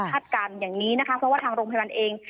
การอย่างนี้นะคะเพราะว่าทางโรงพยาบาลเอง